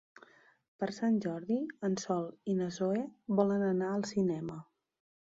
Per Sant Jordi en Sol i na Zoè volen anar al cinema.